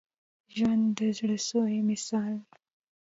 ژوندي د زړه سوي مثال وي